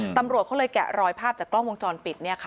ตำรวจเขาเลยแกะรอยภาพจากกล้องวงจรปิด